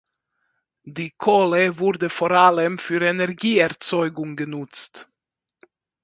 Die Kohle wurde vor allem für Energieerzeugung genutzt.